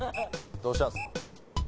どうしたんすか？